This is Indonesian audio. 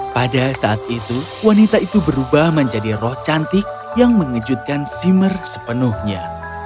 pada saat itu wanita itu berubah menjadi roh cantik yang mengejutkan seamer sepenuhnya